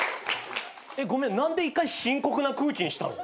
ごめん何で１回深刻な空気にしたの？